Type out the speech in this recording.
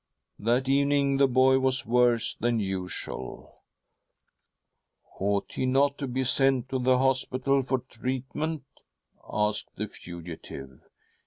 " That evening the boy was worse than usual. ' Ought he not to be sent to the hospital for treat ment?' asked the fugitive.